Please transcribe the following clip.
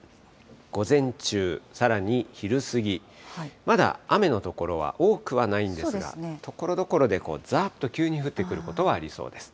午前中、さらに昼過ぎ、まだ雨の所は多くはないんですが、ところどころで、ざーっと急に降ってくることはありそうです。